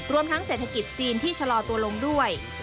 รวมทั้งเศรษฐกิจจีนที่ชะลอตัวลงด้วย